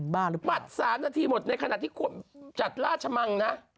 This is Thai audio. บ้าหรือเปล่าบัตร๓นาทีหมดในขณะที่จัดราชมังนะ